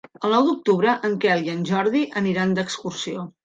El nou d'octubre en Quel i en Jordi aniran d'excursió.